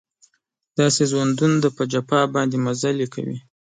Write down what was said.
داسې ژوندون دی په جفا باندې مزلې کوي